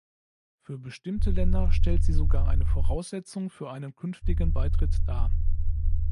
Für bestimmte Länder stellt sie sogar eine Voraussetzung für einen künftigen Beitritt dar.